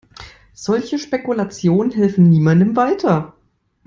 Solche Spekulationen helfen niemandem weiter.